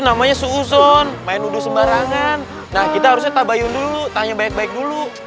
namanya suuzon main udu sembarangan nah kita harusnya tabayun dulu tanya baik baik dulu